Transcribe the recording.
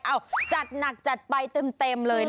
เอาจัดหนักจัดไปเต็มเลยนะคะ